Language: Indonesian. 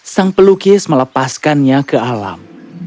sang pelukis melepaskannya ke alam